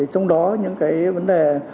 trong đó những cái vấn đề